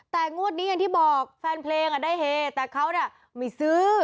แต่งวดนี้อย่างที่บอกแฟนเพลงได้เฮแต่เขาไม่ซื้อ